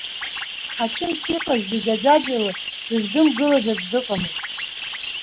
Ҳақьымс иҟаз зегьы аӡәаӡәала дыздымгылаз аӡә дыҟамызт.